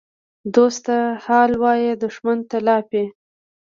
دوست ته حال وایه، دښمن ته لاپې.